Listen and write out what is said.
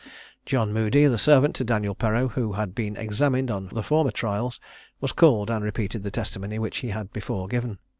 John Moody, the servant to Daniel Perreau, who had been examined on the former trials, was called, and repeated the testimony which he had before given.